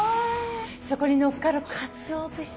そこにのっかるかつお節。